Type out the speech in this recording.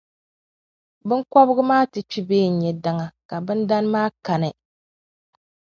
biŋkɔbigu maa ti kpi bee n-nya daŋa, ka bindana maa kani.